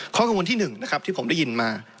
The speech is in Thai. ข้อกังวลที่๑นะครับที่ผมได้ยินมา